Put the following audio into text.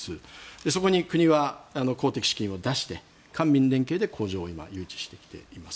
そこに国は公的資金を出して官民連携で工場を誘致してきています。